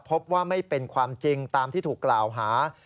พบว่าไม่เป็นความจริงตามที่ถูกกล่าวหา